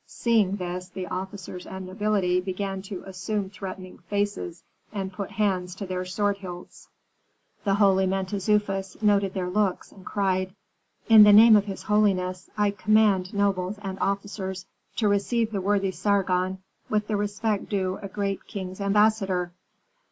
Seeing this, the officers and nobility began to assume threatening faces, and put hands to their sword hilts. The holy Mentezufis noted their looks, and cried, "In the name of his holiness, I command nobles and officers to receive the worthy Sargon with the respect due a great king's ambassador!"